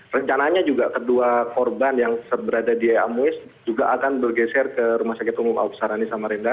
rencananya juga kedua korban yang berada di ea muis juga akan bergeser ke rumah sakit umum awam sarani samarenda